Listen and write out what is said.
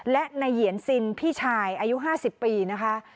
และนายเหยียนซินพี่ชายอายุ๕๐ปีนะคะ